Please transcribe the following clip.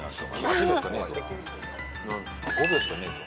８秒しかねえぞ。